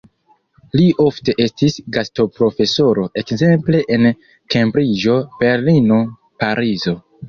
Li ofte estis gastoprofesoro ekzemple en Kembriĝo, Berlino, Parizo.